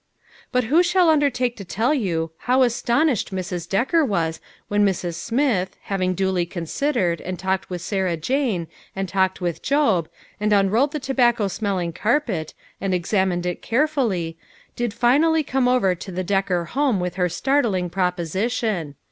But who shall undertake to tell you how aston ished Mrs. Decker was when Mrs. Smith, having duly considered, and talked with Sarah Jane, and talked with Job, and unrolled the tobacco smelling carpet, and examined it carefully, did finally come over to the Decker home with her startling proposition.